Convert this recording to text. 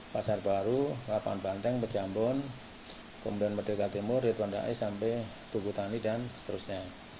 pasar baru lapangan banteng bejambon kemudian merdeka timur ritwanda ais sampai tugu tani dan seterusnya